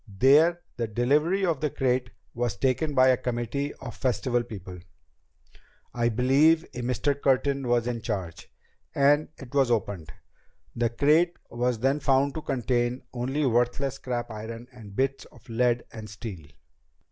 There the delivery of the crate was taken by a committee of the Festival people I believe a Mr. Curtin was in charge and it was opened. The crate was then found to contain only worthless scrap iron and bits of lead and steel."